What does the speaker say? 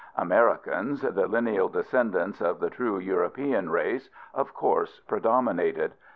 Americans, the lineal descendants of the true European race, of course predominated.